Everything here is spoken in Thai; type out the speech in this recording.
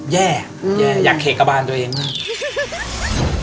แย่แย่อยากเขกกระบานตัวเองมาก